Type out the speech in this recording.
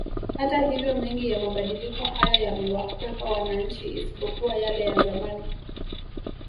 Hata hivyo mengi ya mabadiliko hayo yamewakwepa wananchi isipokuwa yale ya zamani